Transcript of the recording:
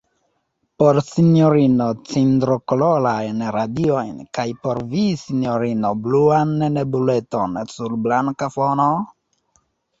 Por sinjorino cindrokolorajn radiojn, kaj por vi, sinjorino, bluan nebuleton sur blanka fono?